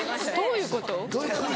どういうこと？